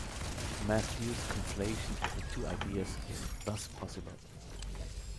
Matthew's conflation of the two ideas is thus possible.